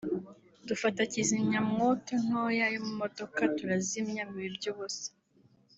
dufata kizimyamwoto ntoya yo mu modoka turazimya biba iby’ubusa